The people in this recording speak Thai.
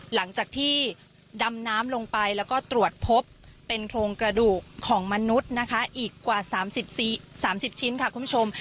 หลังจากที่ดำน้ำลงไปแล้วก็ตรวจพบเป็นโครงกระดูกของมนุษย์อีกกว่า๓๐ชิ้น